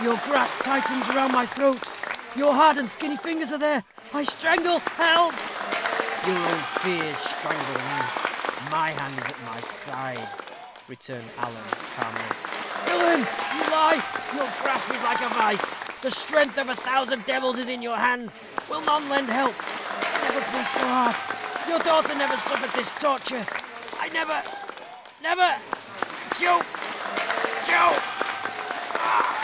"Your grasp tightens round my throat; your hard and skinny fingers are there I strangle help!" "Your own fears strangle you. My hand is at my side," returned Alan calmly. "Villain, you lie. Your grasp is like a vice. The strength of a thousand devils is in your hand. Will none lend help? I never pressed so hard. Your daughter never suffered this torture never never. I choke choke oh!"